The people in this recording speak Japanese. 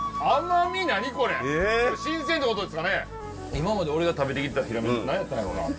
今まで俺が食べてきたヒラメ何やったんやろな。